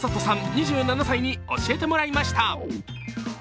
２７歳に教えてもらいました。